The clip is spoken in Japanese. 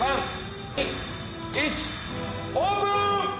オープン！